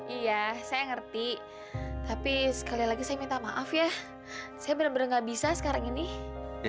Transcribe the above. ia saya ngerti tapi sekali lagi saya minta maaf ya saya bener bener nggak bisa sekarang ini ya